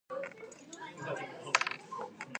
Similarly, French liaison does not operate in pausa.